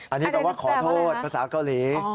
อันนี้แปลว่าขอโทษภาษาเกาหลี